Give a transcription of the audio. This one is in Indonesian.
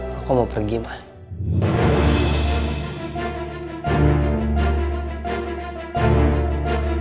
kamu mau pergi mana